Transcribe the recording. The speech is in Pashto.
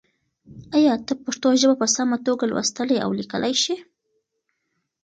ایا ته پښتو ژبه په سمه توګه لوستلی او لیکلی شې؟